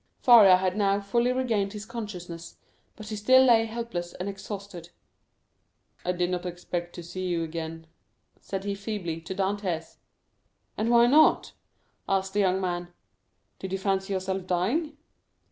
Faria had now fully regained his consciousness, but he still lay helpless and exhausted on his miserable bed. "I did not expect to see you again," said he feebly, to Dantès. "And why not?" asked the young man. "Did you fancy yourself dying?"